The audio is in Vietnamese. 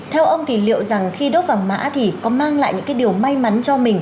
theo ông thì liệu rằng khi đốt vàng mã thì có mang lại những cái điều may mắn cho mình